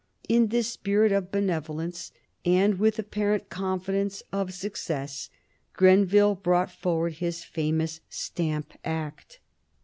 In this spirit of benevolence, and with apparent confidence of success, Grenville brought forward his famous Stamp Act.